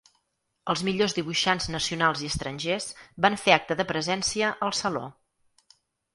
Els millors dibuixants nacionals i estrangers van fer acte de presència al Saló.